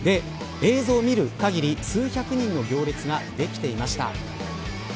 映像を見るかぎり数百人の行列ができていました。